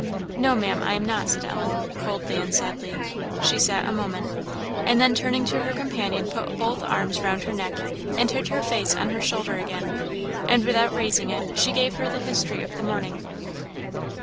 "No, Maam, I am not," said Ellen, coldly and sadly. She sat a moment, and then turning to her companion, put both arms round her neck, and hid her face on her shoulder again; and, without raising it, she gave her the history of the morning.